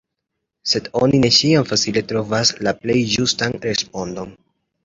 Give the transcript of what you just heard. Sed oni ne ĉiam facile trovas la plej ĝustan respondon.